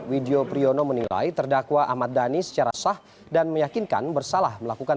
widyo priyono menilai terdakwa ahmad dhani secara sah dan meyakinkan bersalah melakukan